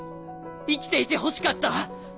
生きていてほしかった。